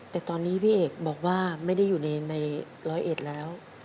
แต่ตอนนี้พี่เอกบอกว่าไม่ได้อยู่ในร้อยเอ็ดแล้ว